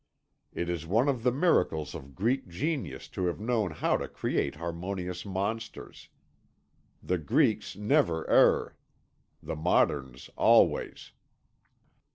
It is one of the miracles of Greek genius to have known how to create harmonious monsters. The Greeks never err. The Moderns always."